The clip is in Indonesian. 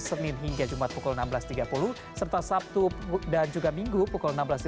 senin hingga jumat pukul enam belas tiga puluh serta sabtu dan juga minggu pukul enam belas tiga puluh